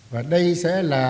và đây sẽ là